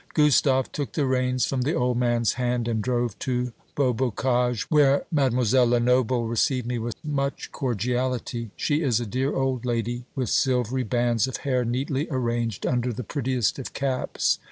Gustave took the reins from the old man's hand and drove to Beaubocage, where Mademoiselle Lenoble received me with much cordiality. She is a dear old lady, with silvery bands of hair neatly arranged under the prettiest of caps.